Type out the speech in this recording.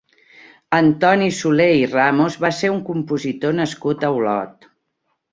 Antoni Soler i Ramos va ser un compositor nascut a Olot.